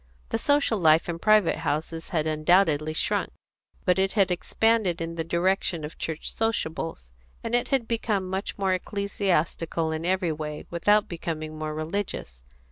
The social life in private houses had undoubtedly shrunk; but it had expanded in the direction of church sociables, and it had become much more ecclesiastical in every way, without becoming more religious.